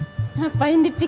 maksananya apa yang dipikirin